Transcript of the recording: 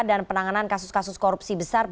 dan penanganan kasus kasus korupsi besar